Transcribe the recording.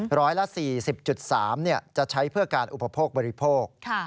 ๑๔๐๓แบบจะใช้เพื่อการอุปโภคบริโภค